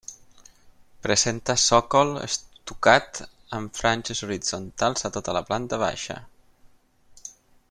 Presenta sòcol estucat amb franges horitzontals a tota la planta baixa.